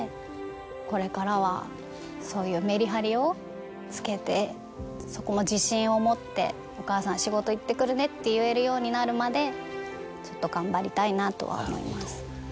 これからはそういうメリハリをつけてそこも自信を持って。って言えるようになるまでちょっと頑張りたいなとは思います。